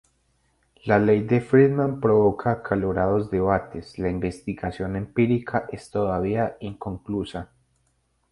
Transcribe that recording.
La ley de Friedman provoca acalorados debates, la investigación empírica es todavía inconclusa.